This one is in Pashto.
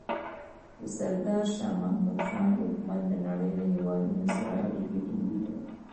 د سردار شاه محمود خان حکومت د نړۍ له هېوادونو سره اړیکې ټینګې کړې.